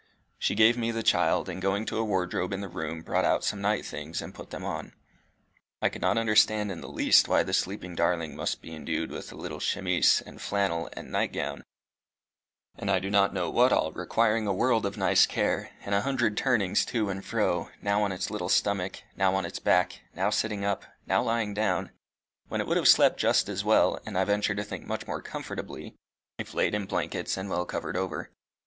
She gave me the child, and going to a wardrobe in the room brought out some night things, and put them on. I could not understand in the least why the sleeping darling must be indued with little chemise, and flannel, and nightgown, and I do not know what all, requiring a world of nice care, and a hundred turnings to and fro, now on its little stomach, now on its back, now sitting up, now lying down, when it would have slept just as well, and I venture to think much more comfortably, if laid in blankets and well covered over.